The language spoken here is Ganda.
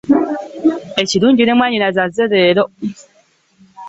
Ekirungi ne mwannyinaze azze leero.